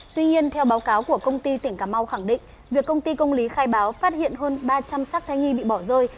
tuy nhiên theo báo cáo của công ty tỉnh cà mau khẳng định việc công ty công lý khai báo phát hiện hơn ba trăm linh sắc thai nghi bị bỏ rơi